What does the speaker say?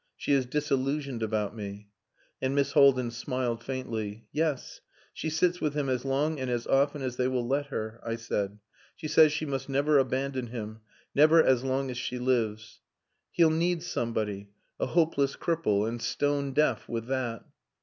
She is disillusioned about me." And Miss Haldin smiled faintly. "Yes. She sits with him as long and as often as they will let her," I said. "She says she must never abandon him never as long as she lives. He'll need somebody a hopeless cripple, and stone deaf with that."